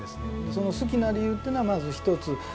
その好きな理由っていうのはまず一つ